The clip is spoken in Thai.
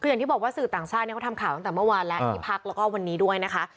คืออย่างที่บอกว่าสื่อต่างชาติเขาทำข่าวตั้งแต่เมื่อวานแล้วที่พักแล้วก็วันนี้ด้วยนะคะ